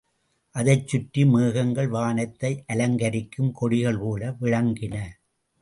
அதைச் சுற்றி மேகங்கள் வானத்தை அலங்கரிக்கும் கொடிகள் போல விளங்கின.